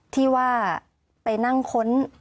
ที่ว่าไปนั่งค้น